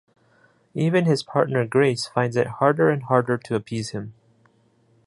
Even his partner Grace finds it harder and harder to appease him.